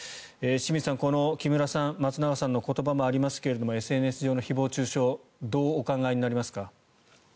清水さん、この木村さん松永さんの言葉もありますがＳＮＳ上の誹謗・中傷どうお考えになりますか？